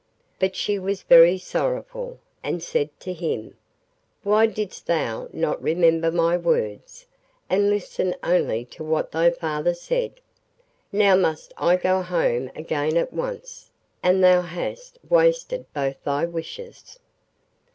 But she was very sorrowful, and said to him, 'Why didst thou not remember my words, and listen only to what thy father said? Now must I go home again at once, and thou hast wasted both thy wishes.